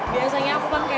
biasanya aku pakai